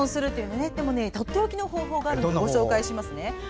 とっておきの方法があるのでご紹介します。